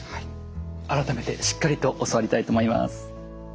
改めてしっかりと教わりたいと思います。